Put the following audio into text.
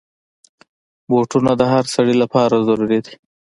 بوټونه د هر سړي لپاره ضرور دي.